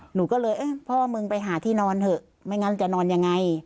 หนูก็เลยเอ๊ะพ่อมึงไปหาที่นอนเถอะไม่งั้นจะนอนยังไง